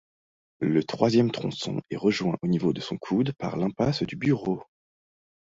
Le troisième tronçon est rejoint au niveau de son coude par l'impasse du Bureau.